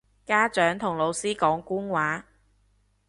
家長同老師講官話